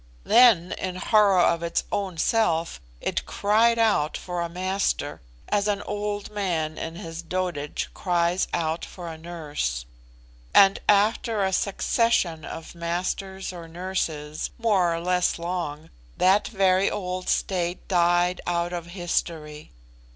Then, in horror of its own self, it cried out for a master, as an old man in his dotage cries out for a nurse; and after a succession of masters or nurses, more or less long, that very old state died out of history.